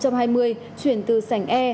chuyển từ sành khách